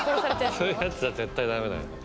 そういうやつは絶対駄目だよ。